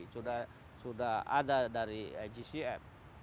sudah sudah ada dari rrdd plus